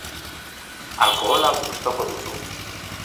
Alkohola gustuko duzu?